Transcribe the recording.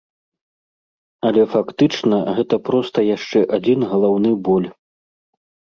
Але фактычна гэта проста яшчэ адзін галаўны боль.